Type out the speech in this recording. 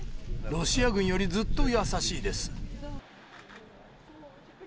ロシア軍よりずっと優しいです。